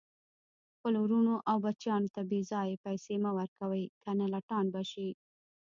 خپلو ورونو او بچیانو ته بیځایه پیسي مه ورکوئ، کنه لټان به شي